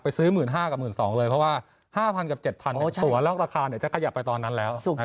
ซื้อ๑๕๐๐กับ๑๒๐๐เลยเพราะว่า๕๐๐กับ๗๐๐ตัวแล้วราคาจะขยับไปตอนนั้นแล้ว